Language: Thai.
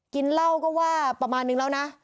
กินเหล้าก็ว่าประมาณนึงแล้วนะ